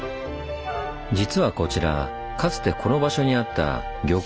実はこちらかつてこの場所にあった漁港の防波堤。